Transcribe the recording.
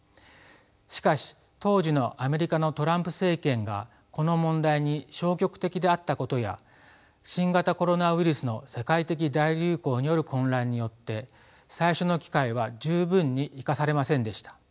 しかし当時のアメリカのトランプ政権がこの問題に消極的であったことや新型コロナウイルスの世界的大流行による混乱によって最初の機会は十分に生かされませんでした。